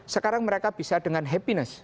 sekarang mereka bisa dengan happiness